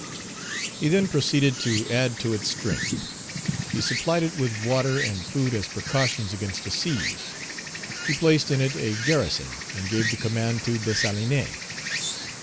He then proceeded to add to its strength. He supplied it with water and food as precautions against a siege. He placed in it a garrison, and gave the command to Dessalines.